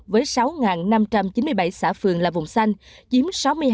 với sáu năm trăm chín mươi bảy xã phường là vùng xanh chiếm sáu mươi hai